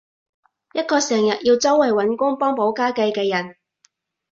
一個成日要周圍搵工幫補家計嘅人